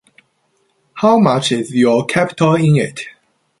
How much is your capital in it?